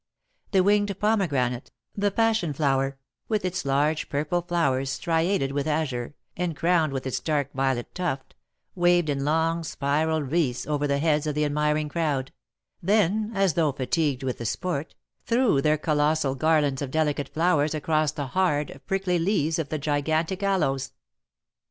The winged pomegranate, the passion flower, with its large purple flowers striated with azure, and crowned with its dark violet tuft, waved in long spiral wreaths over the heads of the admiring crowd, then, as though fatigued with the sport, threw their colossal garlands of delicate flowers across the hard, prickly leaves of the gigantic aloes.